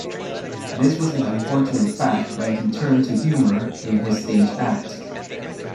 This was an unfortunate fact that he turned to humour in his stage act.